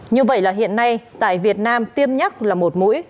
như vậy là hiện nay tại việt nam tiêm nhắc là một mũi